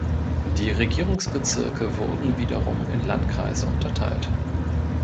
Die Regierungsbezirke wurden wiederum in Landkreise unterteilt.